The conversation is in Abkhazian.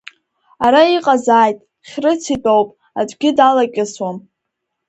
Ара иҟазааит, Хьрыц итәоуп, аӡәгьы далакьысуам…